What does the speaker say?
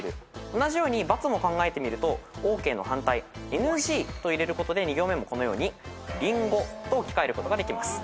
同じように×も考えてみるとＯＫの反対ＮＧと入れることで２行目もこのように「りんご」と置き換えることができます。